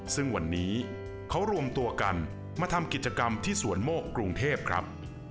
ซึ่งวันนี้เขารวมตัวกันมาทำกิจกรรมที่สวนโมกกรุงเทพครับ